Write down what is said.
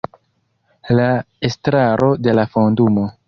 La Estraro de la Fondumo.